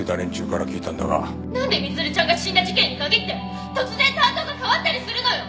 なんで満ちゃんが死んだ事件に限って突然担当が代わったりするのよ！